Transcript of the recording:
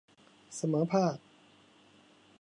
เสมอภาค